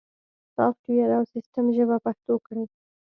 سافت ویر او سیستم ژبه پښتو کړئ